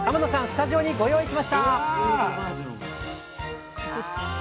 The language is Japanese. スタジオにご用意しました！